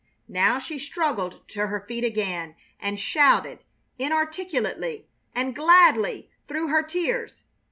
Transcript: Now she struggled to her feet again and shouted, inarticulately and gladly through her tears.